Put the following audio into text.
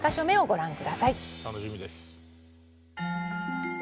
楽しみです。